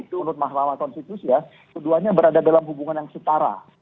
menurut mahlama konstitusi ya keduanya berada dalam hubungan yang setara